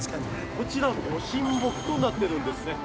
◆こちらご神木となってるんですね。